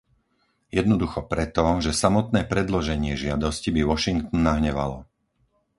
Jednoducho preto, že samotné predloženie žiadosti by Washington nahnevalo.